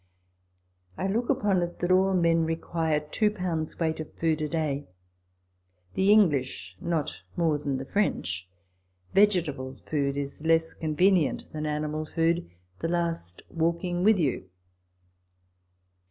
I look upon it that all men require two pounds weight of food a day ; the English not more than the French. Vegetable food is less convenient than animal food, the last walking with you.